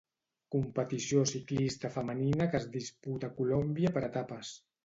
Competició ciclista femenina que es disputa a Colòmbia per etapes.